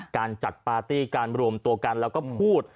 การจัดปาร์ตี้การรวมตัวกันแล้วก็พูด